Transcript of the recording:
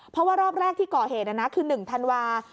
เพราะว่ารอบแรกที่ก่อเหตุคือ๑ธันวาคม